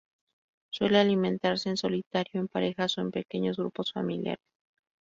Suele alimentarse en solitario, en parejas o en pequeños grupos familiares.